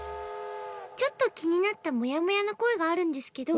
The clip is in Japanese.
ちょっと気になったもやもやの声があるんですけど。